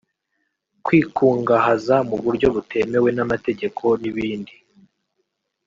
kwikungahaza mu buryo butemewe n’amategeko n’ibindi